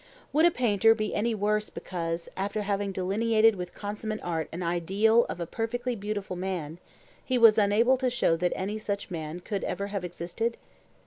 Would a painter be any the worse because, after having delineated with consummate art an ideal of a perfectly beautiful man, he was unable to show that any such man could ever have existed?